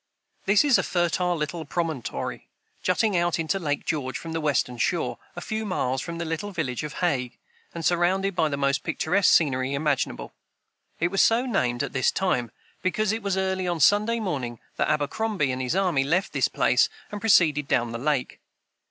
This is a fertile little promontory, jutting out into Lake George from the western shore, a few miles from the little village of Hague, and surrounded by the most picturesque scenery imaginable. It was so named, at this time, because it was early on Sunday morning that Abercrombie and his army left this place and proceeded down the lake.